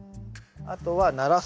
あとはならす。